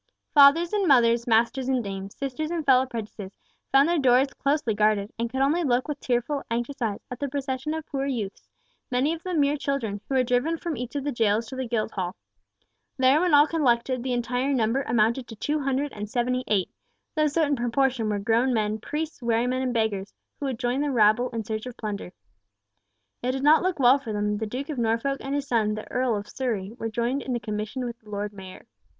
Fathers and mothers, masters and dames, sisters and fellow prentices, found their doors closely guarded, and could only look with tearful, anxious eyes, at the processions of poor youths, many of them mere children, who were driven from each of the jails to the Guildhall. There when all collected the entire number amounted to two hundred and seventy eight, though a certain proportion of these were grown men, priests, wherrymen and beggars, who had joined the rabble in search of plunder. It did not look well for them that the Duke of Norfolk and his son, the Earl of Surrey, were joined in the commission with the Lord Mayor.